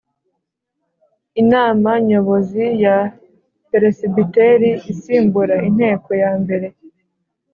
Inama Nyobozi ya Peresibiteri isimbura Inteko yambere